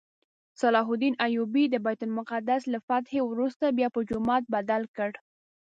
صلاح الدین ایوبي د بیت المقدس له فتحې وروسته بیا په جومات بدل کړ.